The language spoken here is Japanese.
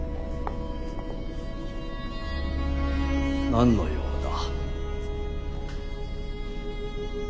何の用だ？